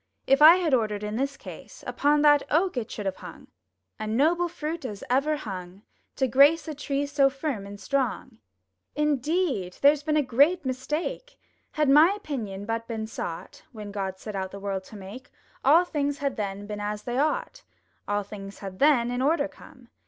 If I had ordered in this case, Upon that oak it should have hung — A noble fruit as ever swung To grace a tree so firm and strong. 290 THROUGH FAIRY HALLS Indeed there's been a great mistake! Had my opinion but been sought, When God set out the world to make, All things had then been as they ought! All things had then in order come!